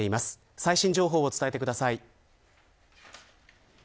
最新情報を伝えてください。